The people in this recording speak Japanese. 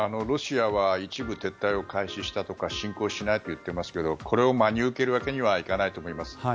ロシアは一部撤退を開始したとか侵攻しないと言ってますがこれを真に受けるわけにはいかないと思います。